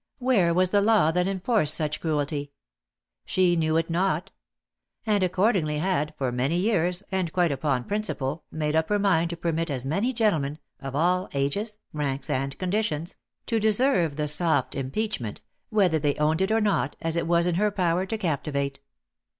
Where was the law that enforced such cruelty ? She knew it not ; and accordingly had, for many years, and quite upon principle, made up her mind to permit as many gentlemen, of all ages, ranks, and conditions, to deserve " the soft impeachment, " whether they owned it or not, as it was in her power to captivate.